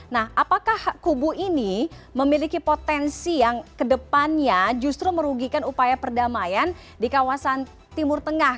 nah apakah kubu ini memiliki potensi yang kedepannya justru merugikan upaya perdamaian di kawasan timur tengah